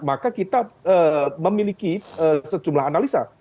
maka kita memiliki sejumlah analisa